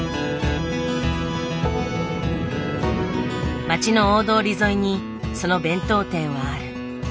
町の大通り沿いにその弁当店はある。